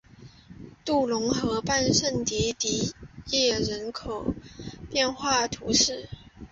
杜龙河畔圣迪迪耶人口变化图示